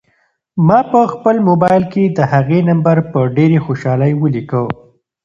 ما په خپل موبایل کې د هغې نمبر په ډېرې خوشحالۍ ولیکه.